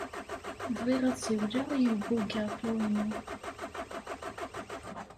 Bɣiɣ ad siwleɣ i ubugaṭu-inu.